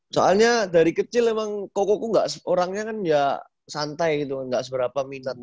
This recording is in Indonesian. soalnya dari kecil emang kokoku enggak orangnya kan ya santai gitu kan nggak seberapa minat